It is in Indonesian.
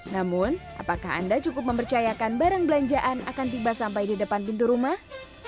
namun apakah anda cukup mempercayakan barang belanjaan akan tiba sampai di depan pintu rumah